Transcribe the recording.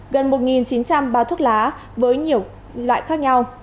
gần một chín trăm linh bao thuốc lá với nhiều loại khác nhau